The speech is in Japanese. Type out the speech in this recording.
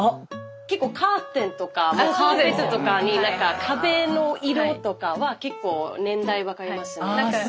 結構カーテンとかカーペットとかに壁の色とかは結構年代分かれますね。